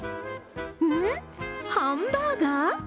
ん、ハンバーガー？